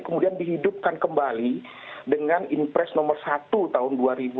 kemudian dihidupkan kembali dengan impres no satu tahun dua ribu tiga